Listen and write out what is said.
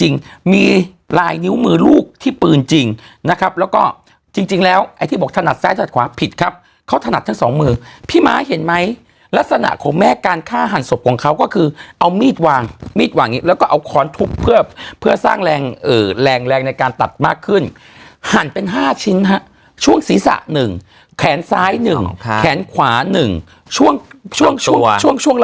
จริงมีลายนิ้วมือลูกที่ปืนจริงนะครับแล้วก็จริงจริงแล้วไอ้ที่บอกถนัดซ้ายถัดขวาผิดครับเขาถนัดทั้งสองมือพี่ม้าเห็นไหมลักษณะของแม่การฆ่าหันศพของเขาก็คือเอามีดวางมีดวางอย่างนี้แล้วก็เอาค้อนทุบเพื่อเพื่อสร้างแรงแรงในการตัดมากขึ้นหั่นเป็นห้าชิ้นฮะช่วงศีรษะหนึ่งแขนซ้ายหนึ่งแขนขวาหนึ่งช่วงช่วงช่วง